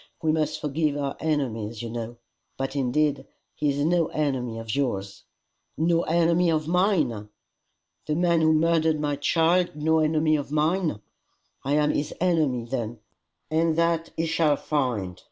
We must forgive our enemies, you know. But indeed he is no enemy of yours." "No enemy of mine! The man who murdered my child no enemy of mine! I am his enemy then, and that he shall find.